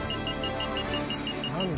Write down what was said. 何だ？